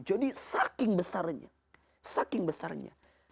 jadi saking besarnya